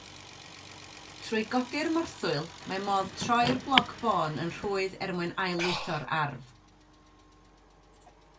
Trwy godi'r morthwyl, mae modd troi'r bloc bôn yn rhwydd er mwyn ail-lwytho'r arf.